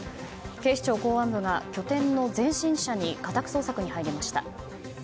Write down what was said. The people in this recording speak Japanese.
警視庁公安部が拠点の前進社に家宅捜索に入りました。